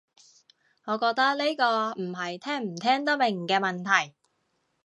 我覺得呢個唔係聽唔聽得明嘅問題